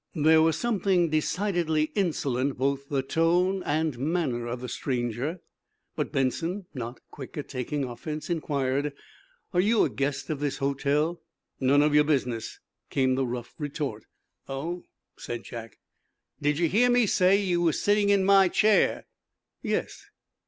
There was something decidedly insolent both the tone and manner of the stranger. But Benson, not quick at taking offense, inquired: "Are you a guest of this hotel." "None of your business," came the rough retort. "Oh!" said Jack. "Did ye hear me say ye were sitting in my chair?" "Yes."